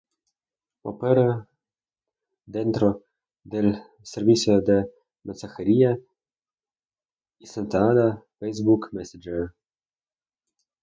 Opera dentro del servicio de mensajería instantánea Facebook Messenger.